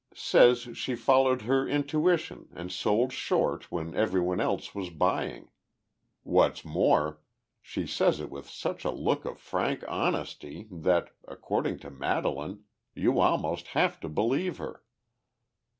Says she followed her intuition and sold short when everyone else was buying. What's more, she says it with such a look of frank honesty that, according to Madelaine, you almost have to believe her."